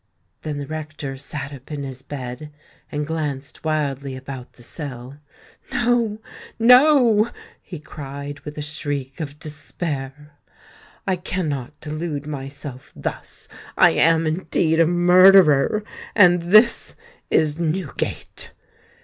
Then the rector sate up in his bed, and glanced wildly around the cell. "No—no!" he cried with a shriek of despair; "I cannot delude myself thus. I am indeed a murderer—and this is Newgate!"